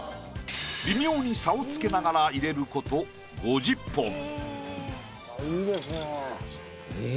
微妙に差をつけながら入れること５０本。